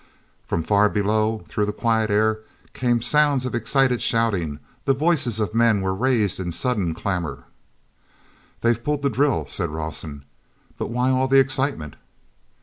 From far below; through the quiet air, came sounds of excited shouting; the voices of men were raised in sudden clamor. "They've pulled the drill," said Rawson. "But why all the excitement?"